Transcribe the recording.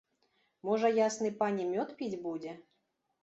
Можа, ясны пане мёд піць будзе?